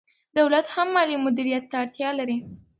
دولت هم مالي مدیریت ته اړتیا لري.